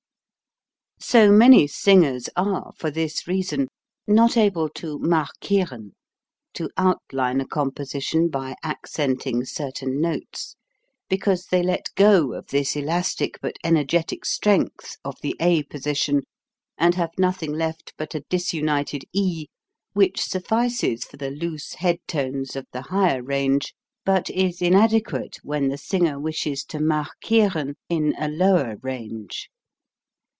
So many singers are, for this reason, not able to "markieren" (to outline a composition by accenting certain notes) because they let go of this elastic but energetic strength of the a position and have nothing left but a dis united e which suffices for the loose head tones of the higher range but is inadequate when the singer wishes to "markieren" in a lower range.